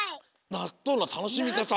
なっとうのたのしみかた！